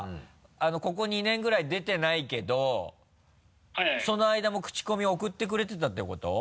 ここ２年ぐらい出てないけどそのあいだもクチコミ送ってくれてたってこと？